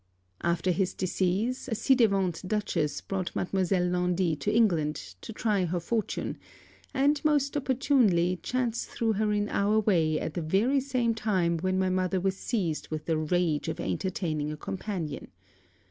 After his decease, a ci devant Dutchess brought Mademoiselle Laundy to England, to try her fortune; and, most opportunely, chance threw her in our way at the very same time when my mother was seized with the rage of entertaining a companion.